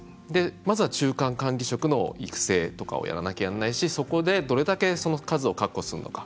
まずは中間管理職の育成とかをやらなきゃなんないしそこでどれだけその数を確保するのか。